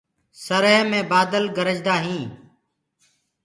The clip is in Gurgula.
سرهي مي بآدل گرجدآ هينٚ